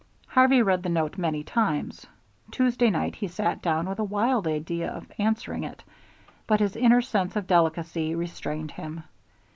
Harvey read the note many times. Tuesday night he sat down with a wild idea of answering it, but his inner sense of delicacy restrained him.